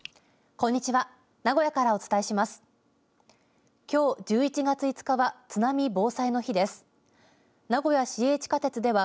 こんにちは。